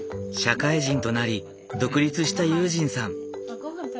社会人となり独立した悠仁さん。